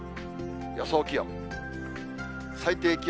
予想気温。